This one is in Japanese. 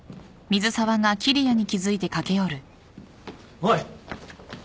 おい。